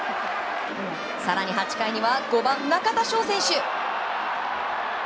更に８回には５番、中田翔選手。